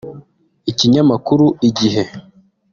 Ikinyamakuru Igihe